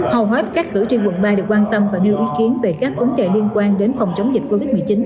hầu hết các cử tri quận ba đều quan tâm và đưa ý kiến về các vấn đề liên quan đến phòng chống dịch covid một mươi chín